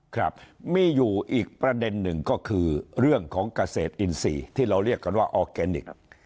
ครับมีอยู่อีกประเด็นหนึ่งก็คือเรื่องของเกษตรอินทรีย์ที่เราเรียกกันว่าออร์แกนิค